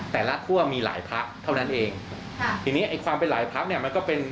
แต่ละคั่วมีหลายพักเท่านั้นเองค่ะทีนี้ไอ้ความเป็นหลายพักเนี่ยมันก็เป็น